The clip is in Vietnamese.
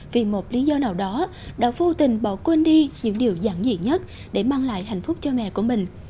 vì một lý do nào đó đã vô tình bỏ quên đi những điều giản dị nhất để mang lại hạnh phúc cho mẹ của mình